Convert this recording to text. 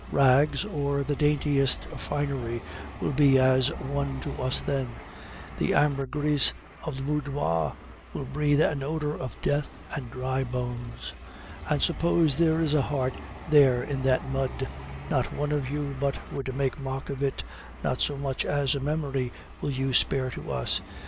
Rags or the daintiest finery will be as one to us then; the ambergris of the boudoir will breathe an odor of death and dry bones; and suppose there is a heart there in that mud, not one of you but would make mock of it, not so much as a memory will you spare to us.